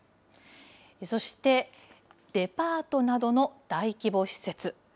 そしてデパートなどの大規模施設。